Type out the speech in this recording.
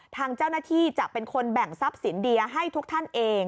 ทางเจ้าหน้าที่จะเป็นคนแบ่งทรัพย์สินเดียให้ทุกท่านเอง